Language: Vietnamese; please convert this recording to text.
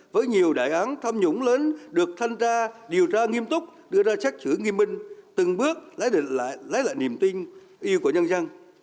với nhiều đại án tham nhũng lớn được thanh tra điều tra nghiêm túc đưa ra xét xử nghiêm minh từng bước lấy lại niềm tin yêu của nhân dân